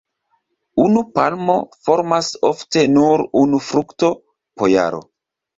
Unu palmo formas ofte nur unu frukto po jaro.